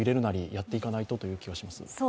やっていかないとという気がします。